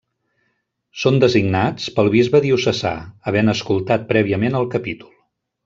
Són designats pel bisbe diocesà, havent escoltat prèviament el capítol.